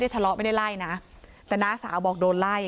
แต่น้าสาวบอกโดนไล่